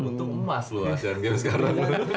untung emas loh asal game sekarang